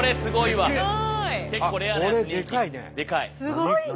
すごいね！